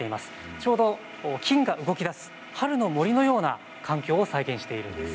ちょうど菌が動きだす春の森のような環境を再現しているんです。